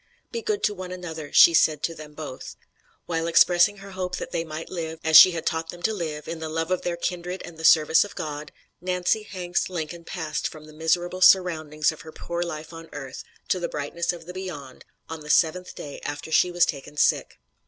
"'Be good to one another,' she said to them both. While expressing her hope that they might live, as she had taught them to live, in the love of their kindred and the service of God, Nancy Hanks Lincoln passed from the miserable surroundings of her poor life on earth to the brightness of the Beyond, on the seventh day after she was taken sick."